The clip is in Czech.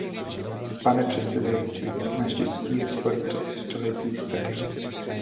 Pane předsedající, naneštěstí je spor přes století starý.